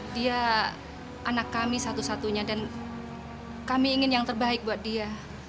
dia anak kami satu satunya dan kami ingin yang terbaik buat dia